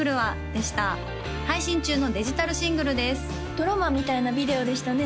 ドラマみたいなビデオでしたね